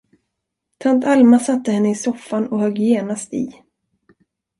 Tant Alma satte henne i soffan och högg genast i.